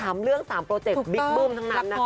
๓เรื่อง๓โปรเจคบิ๊กบึ้มทั้งนั้นนะคะ